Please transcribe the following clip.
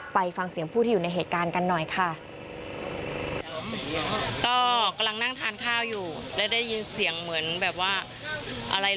ไปฟังเสียงผู้ที่อยู่ในเหตุการณ์กันหน่อยค่ะ